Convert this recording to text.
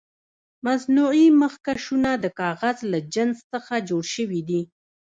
مصنوعي مخکشونه د کاغذ له جنس څخه جوړ شوي دي.